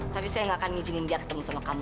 tapi saya gak akan ngizinin dia ketemu sama kamu